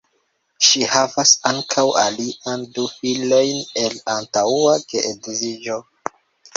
Ŝi havas ankaŭ alian du filojn el antaŭa geedziĝo.